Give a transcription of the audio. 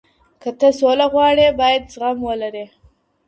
که ته سوله غواړې، بايد زغم ولرې.